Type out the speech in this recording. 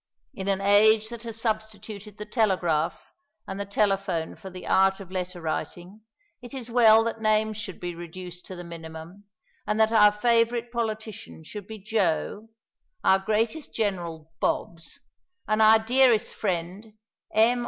In an age that has substituted the telegraph and the telephone for the art of letter writing, it is well that names should be reduced to the minimum, and that our favourite politician should be "Joe," our greatest general "Bobs," and our dearest friend M.